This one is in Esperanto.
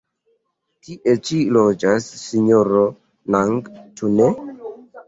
Tie ĉi loĝas Sinjoro Nang, ĉu ne?